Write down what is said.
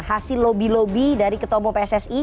hasil lobby lobby dari ketua bop ssi